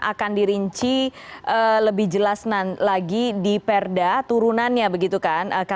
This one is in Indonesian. akan dirinci lebih jelas lagi di perda turunannya begitu kan